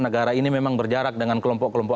negara ini memang berjarak dengan kelompok kelompok